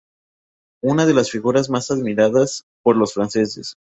Es una de las figuras más admiradas por los franceses.